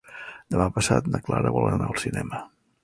Demà passat na Clara vol anar al cinema.